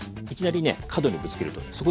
いきなりね角にぶつけるとね